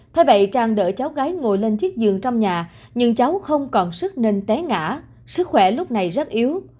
thế vậy trang đỡ cháu gái ngồi lên chiếc giường trong nhà nhưng cháu không còn sức nên té ngã sức khỏe lúc này rất yếu